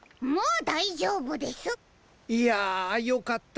いやよかった。